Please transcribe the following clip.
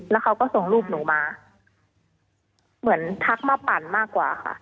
แล้วเขาก็ส่งรูปหนูมาเหมือนทักมาปั่นมากกว่าค่ะ